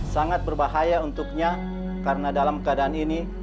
sangat berbahaya untuknya karena dalam keadaan ini